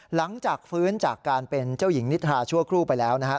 หลังจากฟื้นจากการเป็นเจ้าหญิงนิทราชั่วครู่ไปแล้วนะครับ